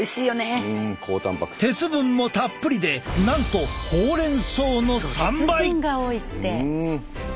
鉄分もたっぷりでなんとほうれん草の３倍！